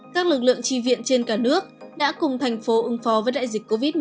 các lực lượng tri viện trên cả nước đã cùng thành phố ứng phó với đại dịch covid một mươi chín